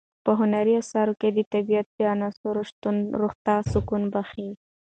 په هنري اثارو کې د طبیعت د عناصرو شتون روح ته سکون بښي.